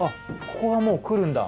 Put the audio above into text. ここがもう来るんだ。